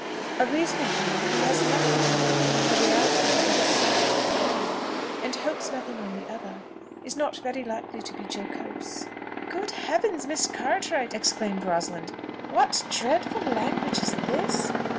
"A reasoning being who has nothing to hope among the realities on this side the grave, and hopes nothing on the other, is not very likely to be jocose." "Good Heavens! Miss Cartwright," exclaimed Rosalind, "what dreadful language is this?